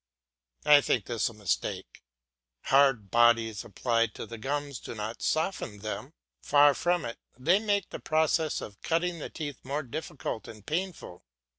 I think this is a mistake. Hard bodies applied to the gums do not soften them; far from it, they make the process of cutting the teeth more difficult and painful.